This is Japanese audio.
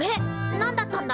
何だったんだ？